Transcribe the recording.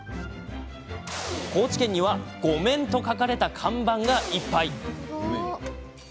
高知県にはごめんと書かれた看板がいっぱい。